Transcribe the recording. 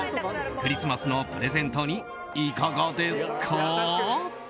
クリスマスのプレゼントにいかがですか？